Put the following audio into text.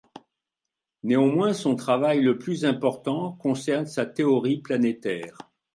Néanmoins son travail le plus important concerne sa théorie planétaire.